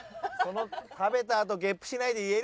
食べたあとゲップしないで言える？